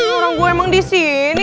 suruh gue emang di sini